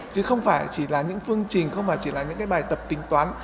chứ không phải chỉ là những phương trình không phải chỉ là những cái bài tập tính toán